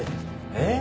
えっ。